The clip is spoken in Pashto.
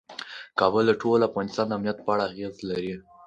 کابل د ټول افغانستان د امنیت په اړه اغېز لري.